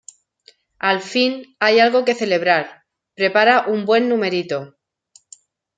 al fin hay algo que celebrar. prepara un buen numerito.